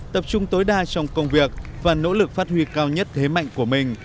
tập trung tối đa trong công việc và nỗ lực phát huy cao nhất thế mạnh của mình